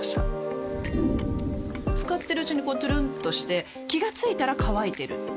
使ってるうちにこうトゥルンとして気が付いたら乾いてる